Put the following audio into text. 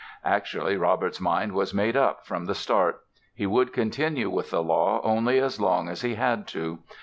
Actually, Robert's mind was made up from the start. He would continue with the law only as long as he had to.